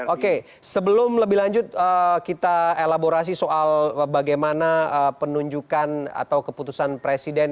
oke sebelum lebih lanjut kita elaborasi soal bagaimana penunjukan atau keputusan presiden